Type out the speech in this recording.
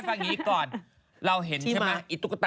คุณคราวให้ฟังนี้ก่อน